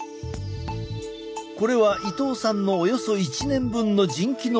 これは伊東さんのおよそ１年分の腎機能の値。